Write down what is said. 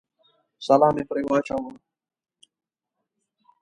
سلام مې پرې واچاوه.